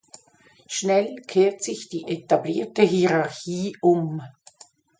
Schnell kehrt sich die etablierte Hierarchie um.